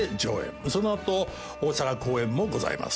その後大阪公演もございます。